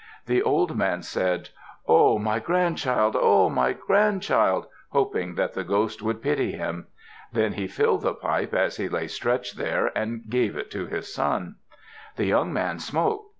The old man said, "Oh! My grandchild! Oh! My grandchild!" hoping that the ghost would pity him. Then he filled the pipe as he lay stretched there and gave it to his son. The young man smoked.